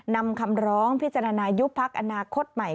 นำคำร้องพิจารณายุบพักอนาคตใหม่